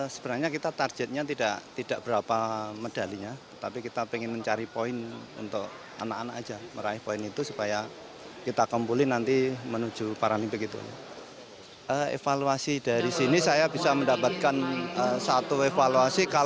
sebenarnya kita targetnya tidak berapa medalinya tapi kita ingin mencari poin untuk anak anak